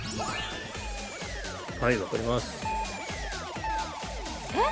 はい分かりますえっ